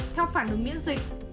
theo phản ứng miễn dịch